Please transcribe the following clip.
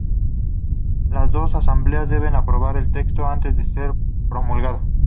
Las dos asambleas deben aprobar el texto antes de ser promulgado.